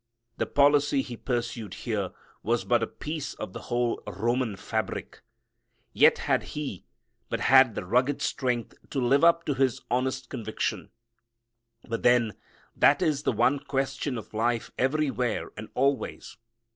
The policy he pursued here was but a piece of the whole Roman fabric. Yet had he but had the rugged strength to live up to his honest conviction . But then, that is the one question of life everywhere and always.